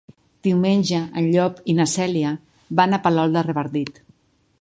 Diumenge en Llop i na Cèlia van a Palol de Revardit.